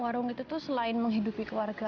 warung itu tuh selain menghidupi keluarga